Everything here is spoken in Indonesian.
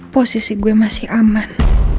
posisi gue masih aman